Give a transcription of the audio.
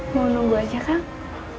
mau nunggu aja kang